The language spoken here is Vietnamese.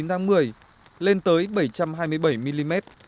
một mươi chín tháng một mươi lên tới bảy trăm hai mươi bảy mm